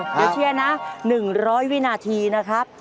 เดี๋ยวเชียร์นะ๑๐๐วินาทีนะครับ